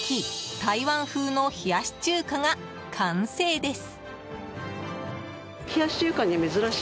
台湾風の冷やし中華が完成です。